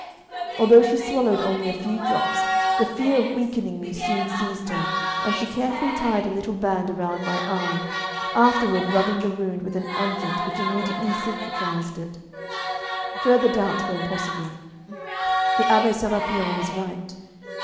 Although she swallowed only a few drops, the fear of weakening me soon seized her, and she carefully tied a little band around my arm, afterward rubbing the wound with an unguent which immediately cicatrised it. Further doubts were impossible. The Abbé Sérapion was right.